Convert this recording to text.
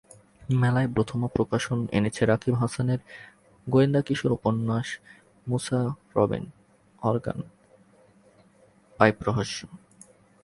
মেলায় প্রথমা প্রকাশন এনেছে রকিব হাসানের গোয়েন্দা কিশোর-মুসা-রবিন অর্গান পাইপ রহস্য।